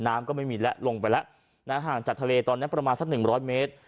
น้ำก็ไม่มีและลงไปและห่างจากทะเลตอนนั้นประมาณสัก๑๐๐เมตร